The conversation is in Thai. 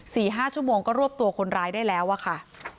ห้าชั่วโมงก็รวบตัวคนร้ายได้แล้วอะค่ะ